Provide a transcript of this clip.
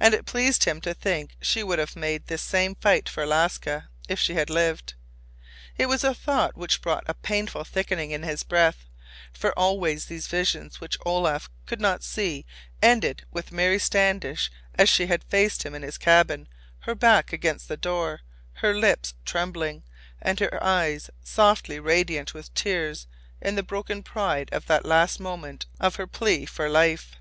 And it pleased him to think she would have made this same fight for Alaska if she had lived. It was a thought which brought a painful thickening in his breath, for always these visions which Olaf could not see ended with Mary Standish as she had faced him in his cabin, her back against the door, her lips trembling, and her eyes softly radiant with tears in the broken pride of that last moment of her plea for life.